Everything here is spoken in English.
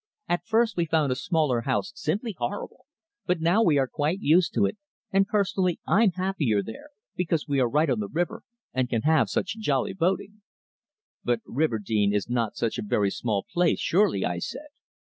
At first we found a smaller house simply horrible, but now we are quite used to it, and personally I'm happier there, because we are right on the river and can have such jolly boating." "But Riverdene is not such a very small place, surely?" I said.